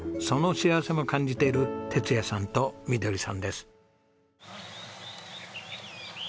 その幸せも感じている哲也さんとみどりさんです。